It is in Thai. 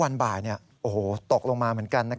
วันบ่ายตกลงมาเหมือนกัน